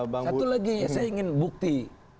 dan satu lagi saya ingin bukti